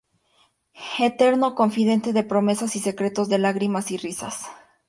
Eterno confidente de promesas y secretos, de lágrimas y risas.